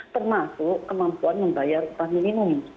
termasuk kemampuan membayar upah minimum